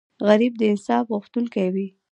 غریب د انصاف غوښتونکی وي